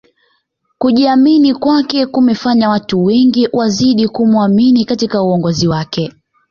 kujiamini kwake kumefanya watu wengi wazidi kumuamini katika uongozi wake